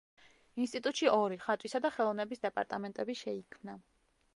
ინსტიტუტში ორი: ხატვისა და ხელოვნების დეპარტამენტები შეიქმნა.